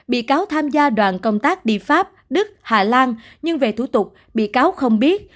bị cáo tham gia đoàn công tác đi pháp đức hà lan nhưng về thủ tục bị cáo không biết